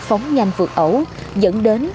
phóng nhanh vượt ẩu dẫn đến